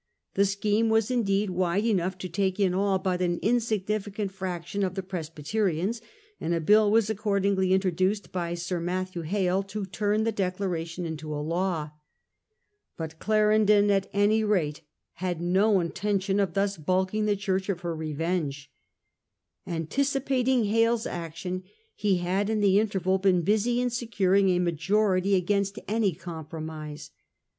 The scheme was indeed wide enough to take in all but an insignificant fraction of the Presbyte rians, and a bill was accordingly introduced by Sir Mat thew Hale to turn the Declaration into a law. But Failure of Clarendon at any rate had no intention of attempt to thus baulking the Church of her revenge, declaration Anticipating Hale's action he had in the inter intoaiaw. V al been busy in securing a majority against any compromise.